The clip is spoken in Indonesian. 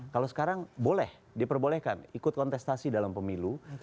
kalau sekarang boleh diperbolehkan ikut kontestasi dalam pemilu